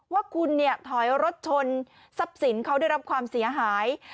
ว่าคุณเนี่ยถอยรถชนทรัพย์สินเขาได้รับความเสียหาย